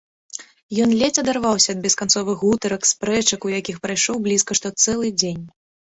Ён ледзь адарваўся ад бесканцовых гутарак, спрэчак, у якіх прайшоў блізка што цэлы дзень.